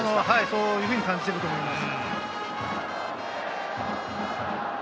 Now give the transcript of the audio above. そのように感じていると思います。